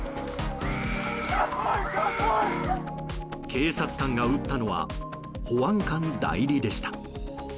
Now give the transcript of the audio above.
警察官が撃ったのは保安官代理でした。